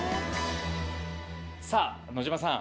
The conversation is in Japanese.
さあ野島さん